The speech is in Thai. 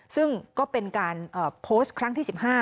ซึ่งก็เป็นการโพสต์ครั้งที่๑๕